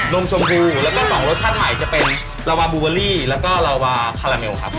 นมชมพรูแล้วก็๒รสชาติใหม่จะเป็นราวะบลุวาลี่แล้วก็ราวะแคราเมลครับ